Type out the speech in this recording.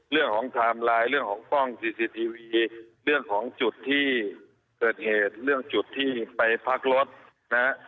เรื่องของเรื่องของเรื่องของจุดที่เกิดเหตุเรื่องจุดที่ไปพักรถนะฮะ